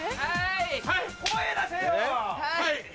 ・・声出せよ！